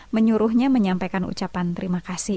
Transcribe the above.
menyuruhnya menyampaikan ucapan terima kasih